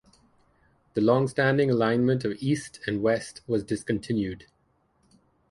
The longstanding alignment of East and West was discontinued.